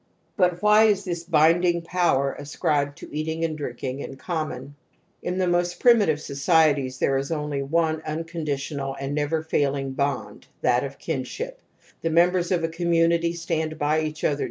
But why is this binding power ascribed to eating and drinking in common ? In the most primitive societies there is only one uncondi tiSSJTan d never t ai lui g bond, that oTg nship. ihe members of a community stand Dy each other